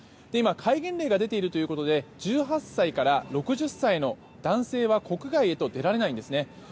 今、戒厳令が出ているということで１８歳から６０歳の男性は国外へと出られないんですね。